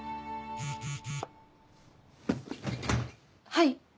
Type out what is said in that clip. はい。